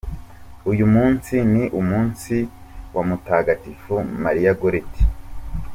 Uyu munsi ni umunsi wa Mutagatifu Maria Goretti.